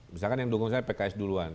misalkan yang dukung saya pks duluan